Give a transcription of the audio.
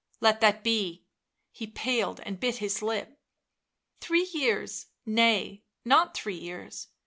" Let that be." He paled and bit his lip. " Three years — nay, not three years.